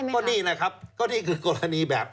ก็นี่แหละครับก็นี่คือกรณีแบบ